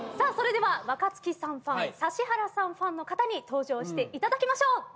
それでは若槻さんファン指原さんファンの方に登場していただきましょう。